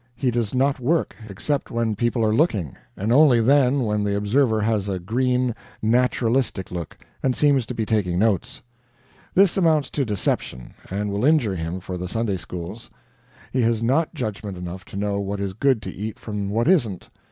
He does not work, except when people are looking, and only then when the observer has a green, naturalistic look, and seems to be taking notes. This amounts to deception, and will injure him for the Sunday schools. He has not judgment enough to know what is good to eat from what isn't.